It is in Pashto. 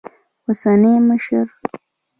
اوسني مشر